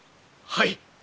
はい。